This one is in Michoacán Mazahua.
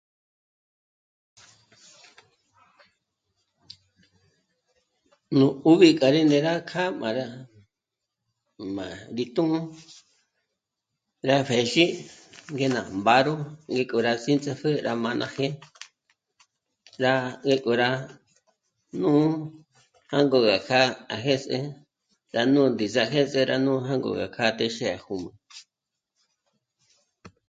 Nú 'ùbi kja ndé rá kjâ'a má rá... má rí tū́'ū, rá pjë́zhi ngé ná mbáro ngínk'o rá ts'índzapjü gá má ná jé'e. Rá 'é k'o rá nú... jângo gá kja à jês'e rá nú ndí à jês'e nú jângo gá k'â'a téxe à jùm'ü